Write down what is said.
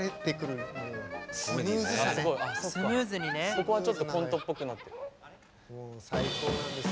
そこはちょっとコントっぽくなってる。